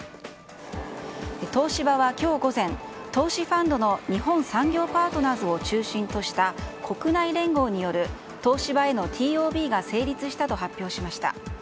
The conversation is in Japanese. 東芝は今日午前投資ファンドの日本産業パートナーズを中心とした国内連合による東芝へのＴＯＢが成立したと発表しました。